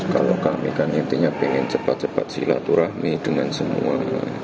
kalau kami kan intinya ingin cepat cepat silaturahmi dengan semua